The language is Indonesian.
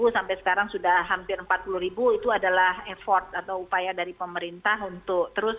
sampai sekarang sudah hampir empat puluh ribu itu adalah effort atau upaya dari pemerintah untuk terus